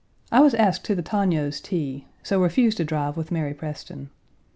I was asked to the Tognos' tea, so refused a drive with Mary Preston.